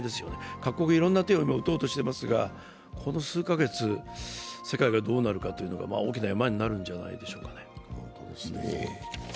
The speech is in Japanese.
各国は今、いろいろな手を打とうとしていますがこの数か月、世界がどうなるかというのが大きな山になるんじゃないでしょうかね。